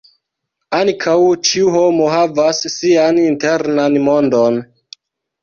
Ankaŭ ĉiu homo havas sian internan mondon.